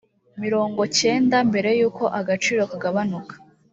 mirongo cyenda mbere y uko agaciro kagabanuka